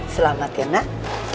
selamat ya nak